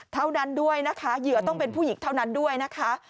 เท่านั้นด้วยนะคะเหยื่อต้องเป็นผู้หญิงเท่านั้นด้วยนะคะ